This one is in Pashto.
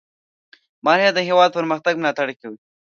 مالیه د هېواد پرمختګ ملاتړ کوي.